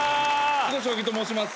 囲碁将棋と申します。